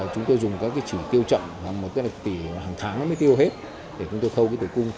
chúng tôi dùng các cái chỉ tiêu chậm một tỷ hàng tháng nó mới tiêu hết để chúng tôi khâu cái tử cung